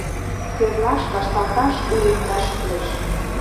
Тӧрлаш, вашталташ, уэмдаш кӱлеш.